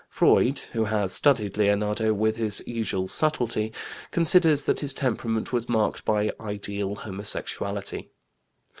Freud, who has studied Leonardo with his usual subtlety, considers that his temperament was marked by "ideal homosexuality."